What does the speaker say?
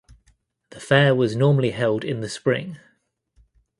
The fair was normally held in the spring.